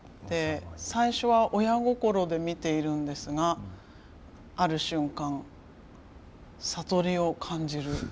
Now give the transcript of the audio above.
最初は親心で見ているんですがある瞬間悟りを感じる。